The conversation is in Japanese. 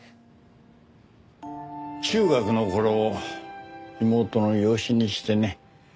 中学の頃妹の養子にしてね。